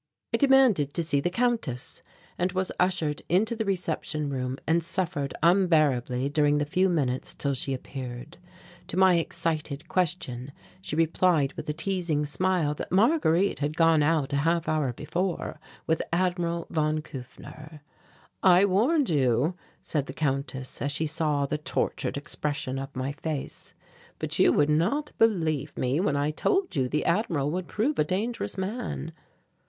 I demanded to see the Countess and was ushered into the reception room and suffered unbearably during the few minutes till she appeared. To my excited question she replied with a teasing smile that Marguerite had gone out a half hour before with Admiral von Kufner. "I warned you," said the Countess as she saw the tortured expression of my face, "but you would not believe me, when I told you the Admiral would prove a dangerous man."